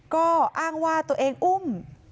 ก็อ้างว่าตัวเองอุ้ม